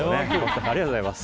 ありがとうございます。